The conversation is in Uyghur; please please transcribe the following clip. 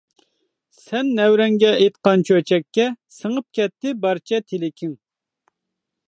سەن نەۋرەڭگە ئېيتقان چۆچەككە، سىڭىپ كەتتى بارچە تىلىكىڭ.